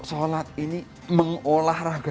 kita sholat ini mengolahragakan juga organ organ dada